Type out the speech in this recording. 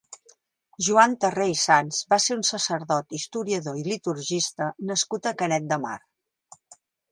Joan Tarré i Sans va ser un sacerdot, historiador i liturgista nascut a Canet de Mar.